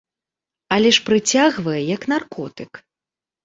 Але ж прыцягвае, як наркотык.